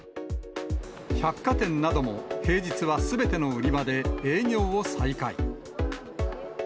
百貨店なども、平日はすべての売り場で営業を再開。